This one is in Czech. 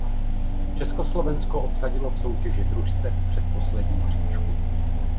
Československo obsadilo v soutěži družstev předposlední příčku.